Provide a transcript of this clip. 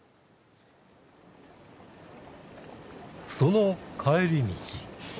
その帰り道。